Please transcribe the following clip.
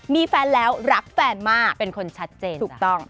มีแฟนแล้วรักแฟนมาถูกต้องเป็นคนชัดเจน